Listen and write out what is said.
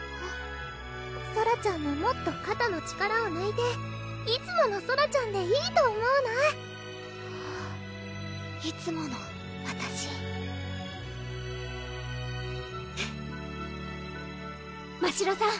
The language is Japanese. ソラちゃんももっと肩の力をぬいていつものソラちゃんでいいと思うないつものわたしましろさん